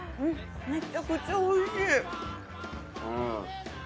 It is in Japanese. めちゃくちゃ美味しい。